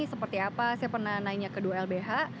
seperti apa saya pernah nanya ke dua lbh